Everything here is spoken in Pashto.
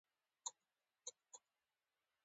کندز سیند د افغانستان د شنو سیمو ښکلا ده.